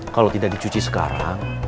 kalau tidak dicuci sekarang